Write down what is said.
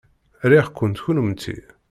Riɣ-kent kennemti.